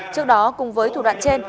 trước đó cùng với thủ đoạn trên